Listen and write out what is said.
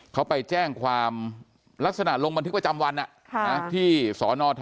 เขาไปแจ้งความลักษณะลงบันทึกประจำวันที่สนท